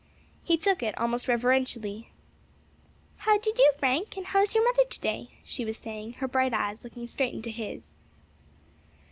He took it almost reverentially. "How d'ye do, Frank? and how is your mother to day?" she was saying, her bright eyes looking straight into his.